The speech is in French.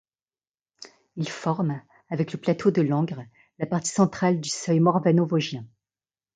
Il forme, avec le plateau de Langres, la partie centrale du seuil morvano-vosgien.